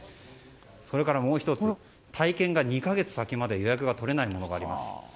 それからもう１つ、体験が２か月先まで予約が取れないものがあります。